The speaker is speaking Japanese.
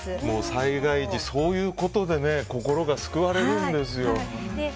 災害時、そういうことで心が救われるんですよ。